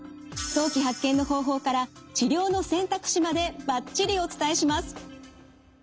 早期発見の方法から治療の選択肢までバッチリお伝えします。